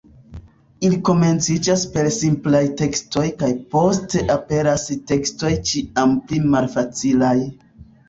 Ili komenciĝas per simplaj tekstoj kaj poste aperas tekstoj ĉiam pli malfacilaj.